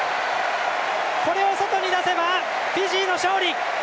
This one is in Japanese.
これを外に出せばフィジーの勝利！